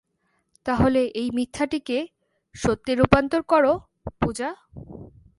তাহলে এই মিথ্যাটিকে, সত্যে রূপান্তর করো, পূজা।